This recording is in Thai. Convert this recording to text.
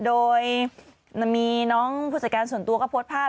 โดยมีน้องผู้จัดการส่วนตัวก็โพสต์ภาพ